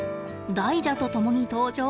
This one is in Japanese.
大蛇と共に登場。